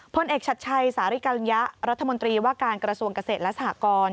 พลเอกชัดชัยสาริกาลุญยะรัฐมนตรีว่าการกระทรวงเกษตรและสหกร